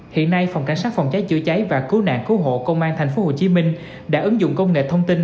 hiện nay phòng cảnh sát phòng cháy chữa cháy và cứu nạn cứu hộ công an tp hcm đã ứng dụng công nghệ thông tin